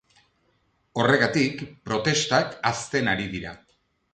Horregatik, protestak hazten ari dira.